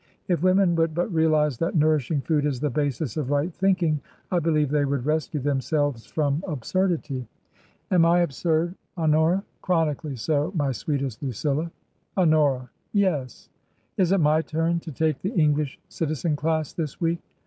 If women would but realize that nourishing food is the basis of right thinking, I believe they would rescue themselves from absurdity." Am I absurd, Honora ?" Chronically so, my sweetest Lucilla." "Honora!" " Yes ?"Is it my turn to take the English citizen class this week ?"